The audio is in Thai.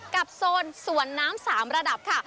กับโซนสวนน้ำสามระดับค่ะ